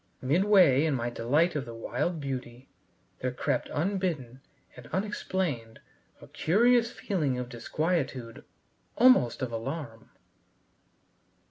Midway in my delight of the wild beauty, there crept unbidden and unexplained, a curious feeling of disquietude, almost of alarm.